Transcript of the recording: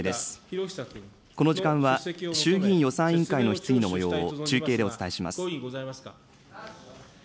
この時間は衆議院予算委員会の質疑のもようを中継でお伝えします。